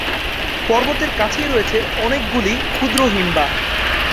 পর্বতের কাছেই রয়েছে অনেকগুলি ক্ষুদ্র হিমবাহ।